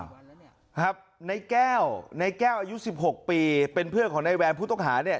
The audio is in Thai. ครับนายแก้วนายแก้วอายุ๑๖ปีเป็นเพื่อนของนายแวนพุทธคาเนี่ย